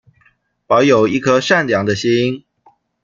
保有一顆善良的心